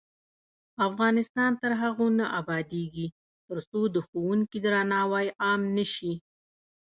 افغانستان تر هغو نه ابادیږي، ترڅو د ښوونکي درناوی عام نشي.